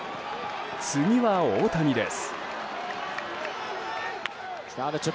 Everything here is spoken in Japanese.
次は大谷です。